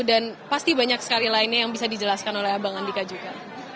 dan pasti banyak sekali lainnya yang bisa dijelaskan oleh abang andika juga